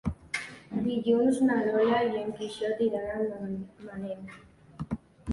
Dilluns na Lola i en Quixot iran a Montmaneu.